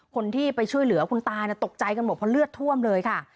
คนที่ไปช่วยเหลือคุณตาตกใจกันหมดเพราะเลือดท่วมเลยค่ะ